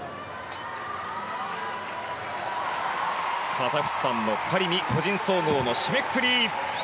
カザフスタンのカリミ個人総合の締めくくり。